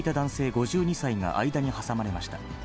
５２歳が間に挟まれました。